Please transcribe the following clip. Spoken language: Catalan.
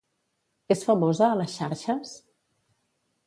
És famosa a les xarxes?